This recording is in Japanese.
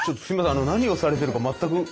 あの何をされてるか全く。